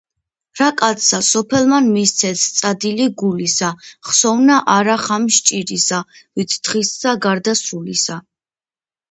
,,რა კაცსა სოფელმან მისცეს წადილი გულისა, ხსოვნა არა ხამს ჭირისა, ვით დღისა გარდასრულისა.”